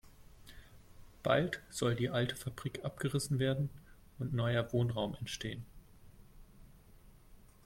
Bald soll die alte Fabrik abgerissen werden und neuer Wohnraum entstehen.